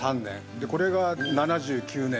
でこれが７９年。